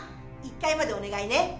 １階までお願いね。